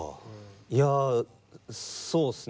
いやそうっすね